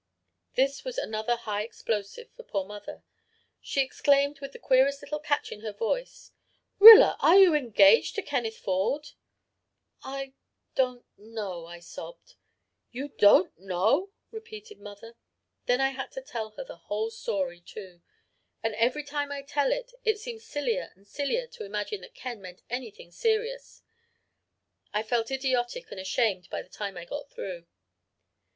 "This was another high explosive for poor mother. She exclaimed, with the queerest little catch in her voice, 'Rilla, are you engaged to Kenneth Ford?' "'I don't know,' I sobbed. "'You don't know?' repeated mother. "Then I had to tell her the whole story, too; and every time I tell it it seems sillier and sillier to imagine that Ken meant anything serious. I felt idiotic and ashamed by the time I got through.